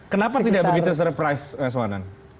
kenapa tidak begitu surprise mas mananda